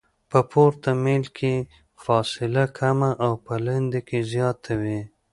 په پورته میل کې فاصله کمه او په لاندې کې زیاته وي